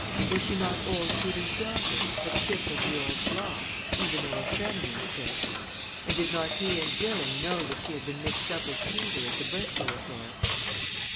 Was she not old Peter's daughter, a chip of the old block, even though a feminine chip? And did not he and Gilling know that she had been mixed up with Peter at the Bristol affair?